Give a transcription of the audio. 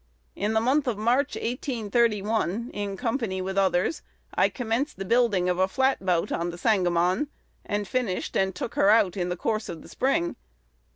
In the month of March, 1831, in company with others, I commenced the building of a flatboat on the Sangamon, and finished and took her out in the course of the spring.